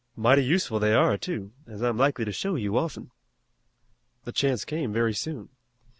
Mighty useful they are, too, as I'm likely to show you often." The chance came very soon.